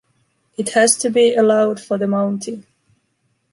It has to be allowed for the mounting.